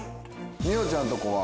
美穂ちゃんのとこは？